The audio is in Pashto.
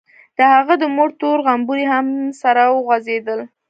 د هغه د مور تور غومبري هم سره وخوځېدل.